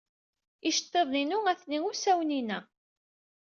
Iceḍḍiḍen-inu atni usawen-inna.